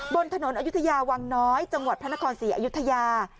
บนถนนอยุธยาวังน้อยจังหวัดพระนครศรีอยุธยา